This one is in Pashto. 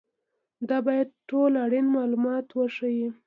دا باید ټول اړین معلومات وښيي.